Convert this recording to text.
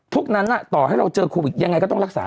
พวกนั้นต่อให้เราเจอโควิดยังไงก็ต้องรักษา